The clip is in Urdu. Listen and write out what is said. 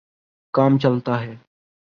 کام چلتا ہے۔